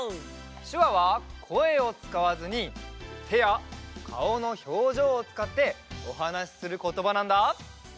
しゅわはこえをつかわずにてやかおのひょうじょうをつかっておはなしすることばなんだ。